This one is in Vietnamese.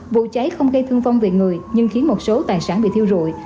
vụ cháy không gây thương vong về người nhưng khiến một số tài sản bị thiêu rụi